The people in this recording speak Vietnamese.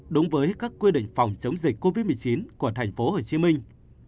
đúng với các quy định phòng chống dịch covid một mươi chín của thành phố hồ chí minh